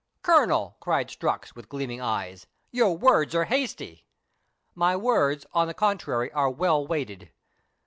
" Colonel," cried Strux, with gleaming eyes, " your words are hasty." " My words, on the contrary, are well weighed.